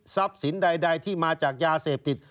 ทรัพย์สินใดที่มาจากยาเสพติด